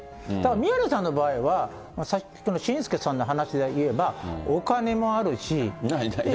ただ、宮根さんの場合は、紳助さんの話で言えば、お金もあるし。